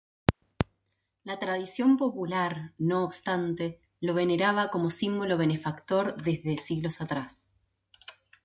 La tradición popular, no obstante, lo veneraba como símbolo benefactor desde siglos atrás.